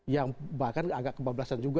yang bahkan agak kebablasan juga